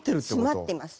詰まってます。